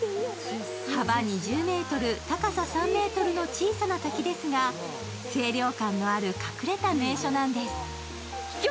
幅２０ｍ、高さ３ｍの小さな滝ですが、清涼感のある隠れた名所なんです。